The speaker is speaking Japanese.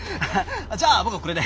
じゃあ僕はこれで。